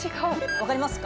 分かりますか？